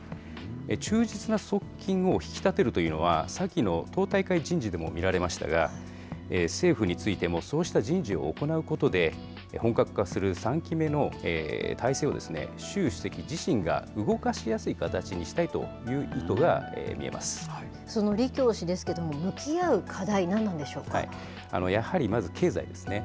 忠実な側近を引き立てるというのは、先の党大会人事でも見られましたが、政府についてもそうした人事を行うことで、本格化する３期目の体制を習主席自身が動かしやすい形にしたいとその李強氏ですけども、向きやはりまず経済ですね。